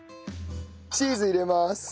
チーズ入れます。